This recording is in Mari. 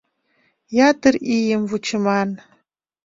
Ятыр ийым вучыман.